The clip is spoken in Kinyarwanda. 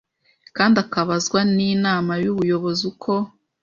kandi akabazwa n Inama y Ubuyobozi uko